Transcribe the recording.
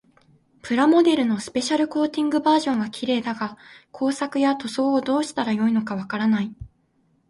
プラモデルのスペシャルコーティングバージョンは綺麗だが、工作や塗装をどうしたらよいのかわからない。